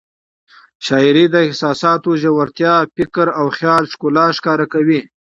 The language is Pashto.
شاعري د احساساتو ژورتیا، فکر او خیال ښکلا ښکاره کوي.